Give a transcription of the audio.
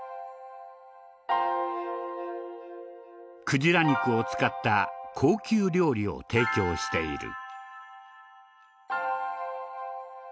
クジラ肉を使った高級料理を提供している。